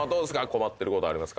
困ってることあります？